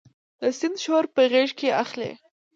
د سیند شور په غیږ کې اخلي